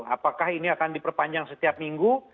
apakah ini akan diperpanjang setiap minggu